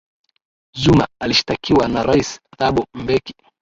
zuma alishtakiwa na rais thabo mbeki